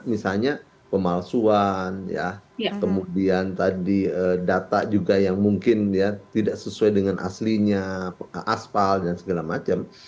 misalnya pemalsuan kemudian tadi data juga yang mungkin ya tidak sesuai dengan aslinya aspal dan segala macam